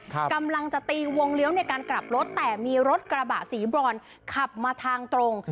กำลังจะตีวงเลี้ยวในการกลับรถแต่มีรถกระบะสีบรอนขับมาทางตรง